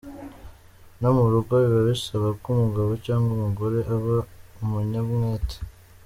No mu rugo biba bisaba ko umugabo cyangwa umugore aba umunyamwete.